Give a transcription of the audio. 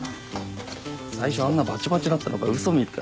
最初あんなバチバチだったのがウソみたい。